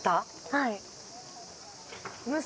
はい。